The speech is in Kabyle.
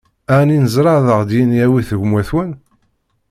Ɛni neẓra ad ɣ-id-yini: Awit-d gma-twen?